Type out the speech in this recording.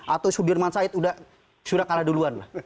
atau sudirman said sudah kalah duluan